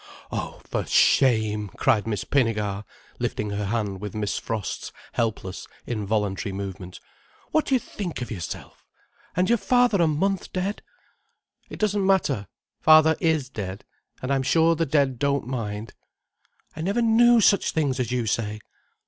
"Oh—for shame!" cried Miss Pinnegar, lifting her hand with Miss Frost's helpless, involuntary movement. "What do you think of yourself? And your father a month dead." "It doesn't matter. Father is dead. And I'm sure the dead don't mind." "I never knew such things as you say."